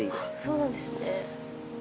そうなんですね。